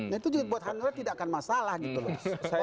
nah itu juga buat hanura tidak akan masalah gitu loh